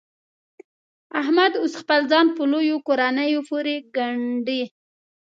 احمد اوس خپل ځان په لویو کورنیو پورې ګنډي.